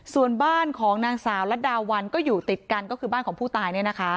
ส่วนบ้านของนางสาวรัดดาวันก็อยู่ติดกันก็คือบ้านของผู้ตาย